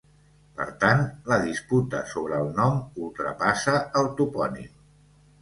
Per tant, la disputa sobre el nom ultrapassa el topònim.